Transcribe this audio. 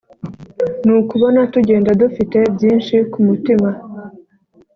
nukubona tugenda dufite byinshii ku mitima